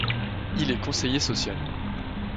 Il est conseiller social.